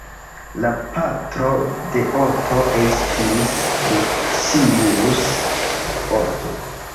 La patro de Oto estis Lucius Oto.